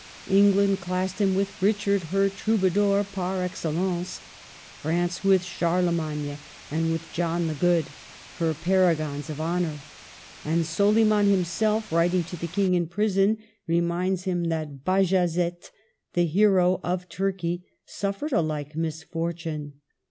England classed him with Richard, her troubadour par excellence; France with Charlemagne and with John the Good, her paragons of honor ; and Soliman himself, writ ing to the King in prison, reminds him that Bajazet, the hero of Turkey, suffered a like misfortune.